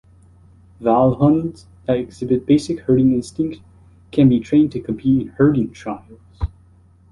Vallhunds that exhibit basic herding instincts can be trained to compete in herding trials.